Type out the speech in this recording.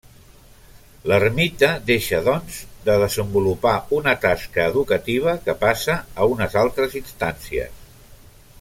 L'ermita deixa, doncs, de desenvolupar una tasca educativa, que passa a unes altres instàncies.